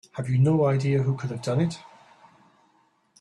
Have you no idea who could have done it?